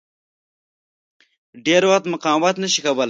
ډېر وخت مقاومت نه شي کولای.